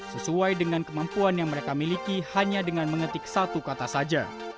sesuai dengan kemampuan yang mereka miliki hanya dengan mengetik satu kata saja